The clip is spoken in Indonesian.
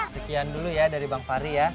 sekian dulu ya dari bang fahri ya